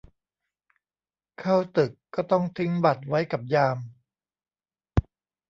เข้าตึกก็ต้องทิ้งบัตรไว้กับยาม